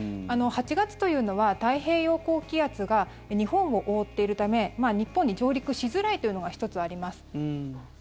８月というのは太平洋高気圧が日本を覆っているため日本に上陸しづらいというのが１つあります。